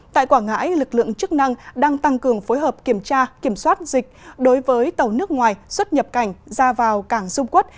tại quảng ngãi lực lượng chức năng đang tăng cường phối hợp kiểm tra kiểm soát dịch đối với tàu nước ngoài xuất nhập cảnh ra vào cảng dung quốc